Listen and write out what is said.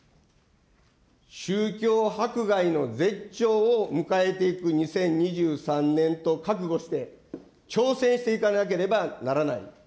宗教迫害の絶頂を迎えていく２０２３年と覚悟して、挑戦していかなければならない。